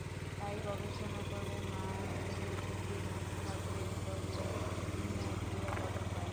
তাই গবেষণা করে মাইনউদ্দীন আহমেদ বের করলেন ভিন্ন এক নিরাপদ উপায়।